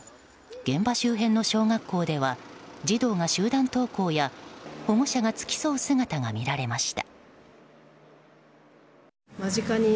現場周辺の小学校では児童が集団登校や保護者が付き添う姿が見られました。